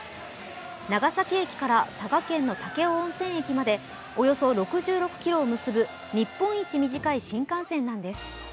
長崎駅から佐賀県の武雄温泉駅までおよそ６６ｋｍを結ぶ日本一短い新幹線なんです。